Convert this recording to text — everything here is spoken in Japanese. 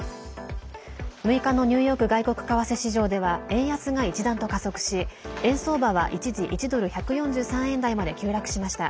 ６日のニューヨーク外国為替市場では円安が一段と加速し円相場は一時１ドル＝１４３円台まで急落しました。